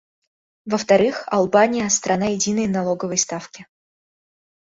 Во-вторых, Албания — страна единой налоговой ставки.